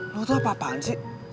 lo tuh apaan sih